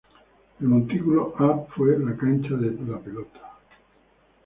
El Montículo A fue la cancha de pelota.